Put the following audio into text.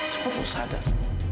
cepat lo sadar